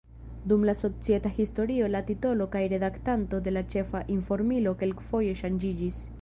Dum la societa historio la titolo kaj redaktanto de la ĉefa informilo kelkfoje ŝanĝiĝis.